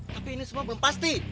tapi ini semua belum pasti